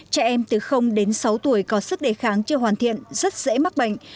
trẻ em từ đến sáu tuổi có sức đề kháng chưa hoàn thiện rất dễ mắc bệnh